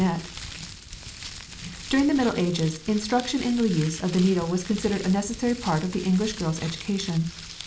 The roses have yellow centres] During the Middle Ages instruction in the use of the needle was considered a necessary part of the English girl's education.